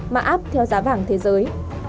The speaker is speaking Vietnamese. mà áp theo giá vàng thế giới